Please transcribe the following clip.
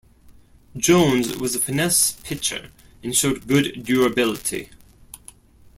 Jones was a finesse pitcher and showed good durability.